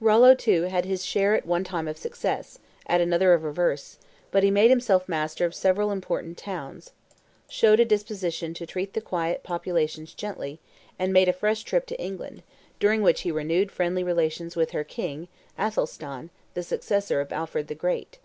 Rollo, too, had his share at one time of success, at another of reverse; but he made himself master of several important towns, showed a disposition to treat the quiet populations gently, and made a fresh trip to England, during which he renewed friendly relations with her king, Athelstan, the successor of Alfred the Great.